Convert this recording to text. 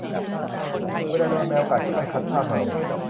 เวลาโดนแมวกัดค่อยคัดภาพมาลง ?